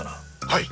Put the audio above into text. はい。